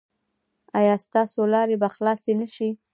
ایا ستاسو لارې به خلاصې نه شي؟